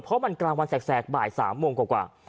เพราะมันกลางวันแสกบ่าย๓โมงกว่า